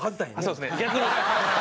そうですね逆に。